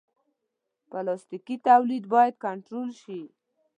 پلاستيکي تولید باید کنټرول شي.